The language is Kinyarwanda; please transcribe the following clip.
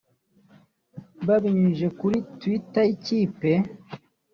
Babinyujiji kuri Twitter y’ikipe